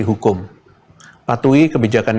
hukum patuhi kebijakan